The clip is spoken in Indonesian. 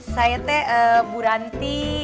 saya t bu ranti